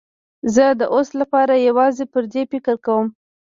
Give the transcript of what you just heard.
زه د اوس لپاره یوازې پر دې فکر کوم.